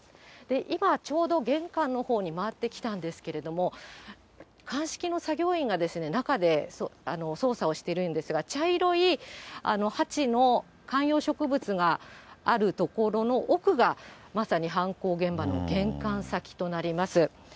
今、ちょうど玄関のほうに回ってきたんですけれども、鑑識の作業員が中で捜査をしているんですが、茶色い鉢の観葉植物がある所の奥が、まさに犯行現場の玄関先となります。